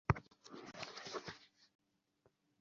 মানবরূপে প্রকাশিত তাঁহার অবতারের নিকটই আমরা প্রার্থনা করিতে পারি।